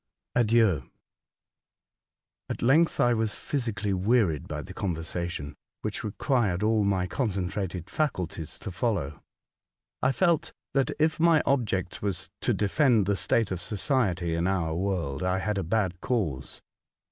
ADIEU. AT length I was pliysically wearied by the conversation, wiiich required all my con centrated faculties to follow. I felt that if my object was to defend the state of society in our world, I had a bad cause.